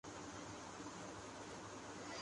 تلہ گنگ نزدیک ہے۔